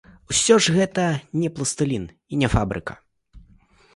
Усё ж, гэта не пластылін і не фабрыка.